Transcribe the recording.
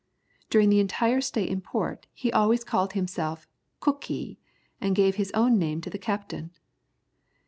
During the entire stay in port, he always called himself "Cookee," and gave his own name to the captain.